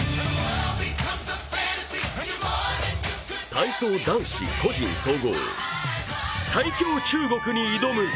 体操男子個人総合、最強・中国に挑む。